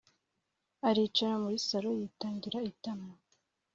aricara muri sallo, yitangira itama